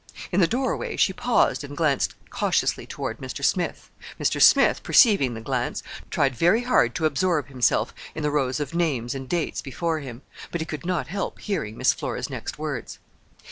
In the doorway she paused and glanced cautiously toward Mr. Smith. Mr. Smith, perceiving the glance, tried very hard to absorb himself in the rows of names dates before him; but he could not help hearing Miss Flora's next words.